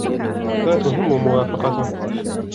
لا تهم موافقته.